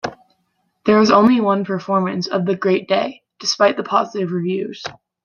There was only one performance of "The Great Day", despite the positive reviews.